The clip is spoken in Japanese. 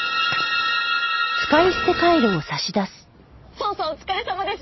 捜査お疲れさまです！